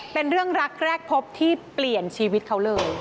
เป็นเรื่องรักแรกพบที่เปลี่ยนชีวิตเขาเลย